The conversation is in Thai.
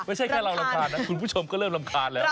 ไม่ใช่แค่เรารำคาญนะคุณผู้ชมก็เริ่มรำคาญแล้ว